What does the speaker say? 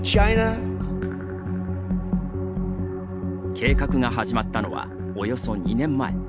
計画が始まったのはおよそ２年前。